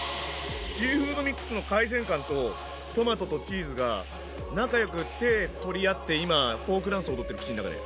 シーフードミックスの海鮮感とトマトとチーズが仲良く手取り合って今フォークダンス踊ってる口の中で。